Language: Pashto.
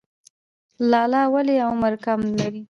لاله ولې عمر کم لري؟